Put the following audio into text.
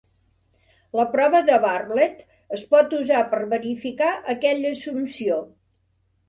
La prova de Bartlett es por usar per verificar aquella assumpció.